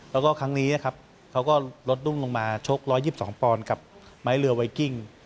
แล้วก็ครั้งนี้ครับเขาก็ลดดุ้งลงมาชก๑๒๒ปอนด์กับไม้เรือไวกิ้ง